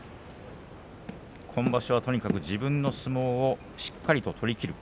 今場所は、とにかく自分の相撲をしっかりと取りきる。